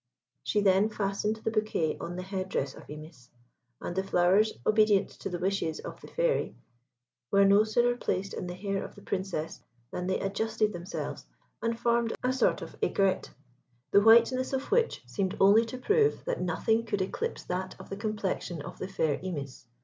She then fastened the bouquet on the head dress of Imis, and the flowers, obedient to the wishes of the Fairy, were no sooner placed in the hair of the Princess, than they adjusted themselves, and formed a sort of aigrette, the whiteness of which seemed only to prove that nothing could eclipse that of the complexion of the fair Imis.